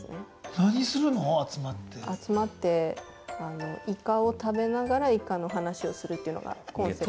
集まってイカを食べながらイカの話をするっていうのがコンセプト。